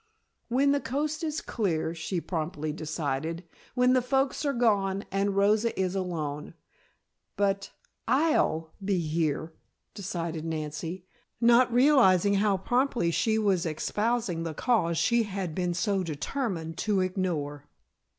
"When the coast is clear," she promptly decided. "When the folks are gone and Rosa is alone. But I'll be here," decided Nancy, not realizing how promptly she was espousing the cause she had been so determined to ignore.